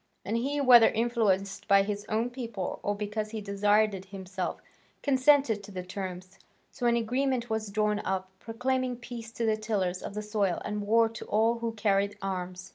And he, whether influenced by his own people or because he desired it himself, consented to the terms. So an agreement was drawn up, proclaiming peace to the tillers of the soil and war to all who carried arms.